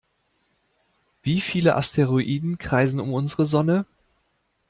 Wie viele Asteroiden kreisen um unsere Sonne?